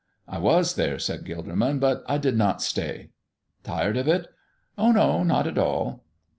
"I was there," said Gilderman, "but I did not stay." "Tired of it?" "Oh no; not at all."